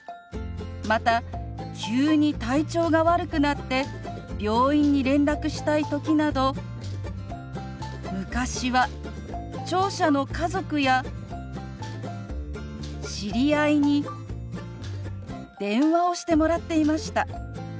また急に体調が悪くなって病院に連絡したい時など昔は聴者の家族や知り合いに電話をしてもらっていました。